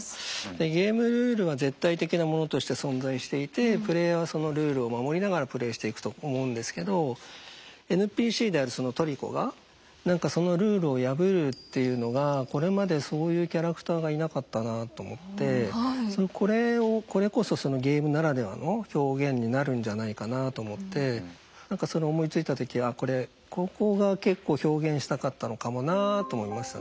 でゲームルールは絶対的なものとして存在していてプレイヤーはそのルールを守りながらプレイしていくと思うんですけどＮＰＣであるそのトリコが何かそのルールを破るっていうのがこれまでそういうキャラクターがいなかったなあと思ってこれをこれこそそのゲームならではの表現になるんじゃないかなあと思って何かそれ思いついた時はこれここが結構表現したかったのかもなと思いましたね。